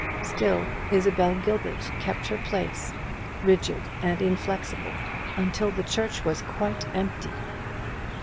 Still Isabel Gilbert kept her place, rigid and inflexible, until the church was quite empty!